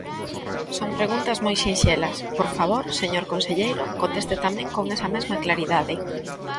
Son preguntas moi sinxelas, por favor, señor conselleiro, conteste tamén con esa mesma claridade.